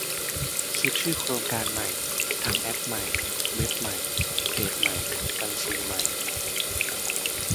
คิดชื่อโครงการใหม่ ทำแอปใหม่ เว็บใหม่ เพจใหม่ บัญชีใหม่